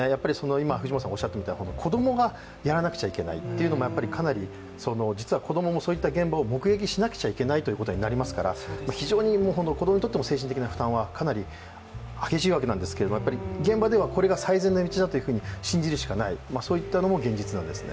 子供がやらなくちゃいけないというのも、実は子供もそういった現場を目撃しなくちゃいけないことになりますから非常に子供にとっても精神的な負担はかなり激しいわけですが、やっぱり現場ではこれが最善な道だと信じるしかない、そういったのも現実なんですね。